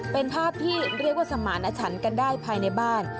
เป็นภาพที่เรียกว่าสมารถฉันกันได้ภายในบ้าน